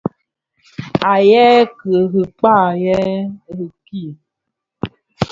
Aa yêê rikpaa, yêê rì kì.